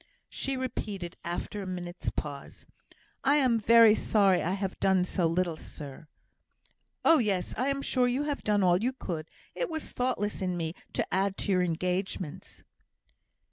She repeated, after a minute's pause: "I am very sorry I have done so little, sir." "Oh, yes, I am sure you have done all you could. It was thoughtless in me to add to your engagements."